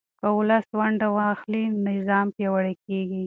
که ولس ونډه واخلي، نظام پیاوړی کېږي.